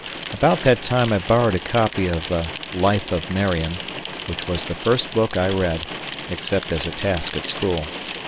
About that time I borrowed a copy of the "Life of Marion", which was the first book I read, except as a task at school.